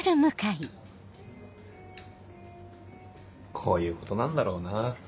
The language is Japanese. こういうことなんだろうなぁ。